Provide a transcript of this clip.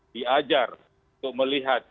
diajar untuk melihat bahwa